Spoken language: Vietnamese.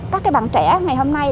các cái bạn trẻ ngày hôm nay